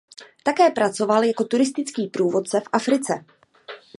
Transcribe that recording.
Také pracoval jako turistický průvodce v Africe.